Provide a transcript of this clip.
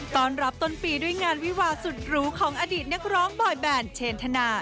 ตอนรับต้นปีด้วยงานวิวาสุดหรูของอดีตนักร้องบอยแบนเชนธนา